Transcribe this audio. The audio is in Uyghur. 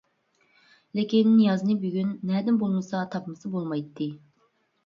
لېكىن نىيازنى بۈگۈن نەدىن بولمىسا تاپمىسا بولمايتتى.